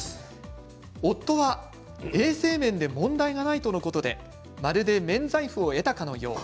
「夫は、衛生面で問題がないとのことでまるで免罪符を得たかのよう。